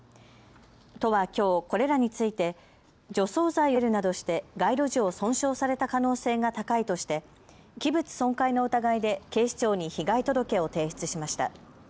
都はきょう、これらについて除草剤をまかれるなどして街路樹を損傷された可能性が高いとして器物損壊の疑いで警視庁に被害届を提出しました。